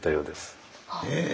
へえ。